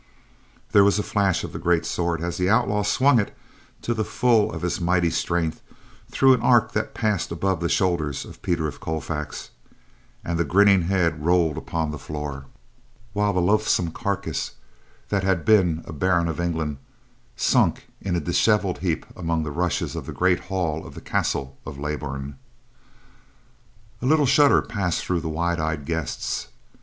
There was a flash of the great sword as the outlaw swung it to the full of his mighty strength through an arc that passed above the shoulders of Peter of Colfax, and the grinning head rolled upon the floor, while the loathsome carcass, that had been a baron of England, sunk in a disheveled heap among the rushes of the great hall of the castle of Leybourn. A little shudder passed through the wide eyed guests.